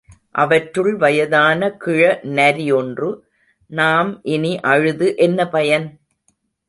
அவற்றுள் வயதான கிழ நரி ஒன்று, நாம் இனி அழுது என்ன பயன்?